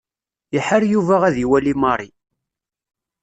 Iḥar Yuba ad iwali Mary.